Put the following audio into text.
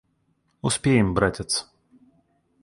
Успеем, братец.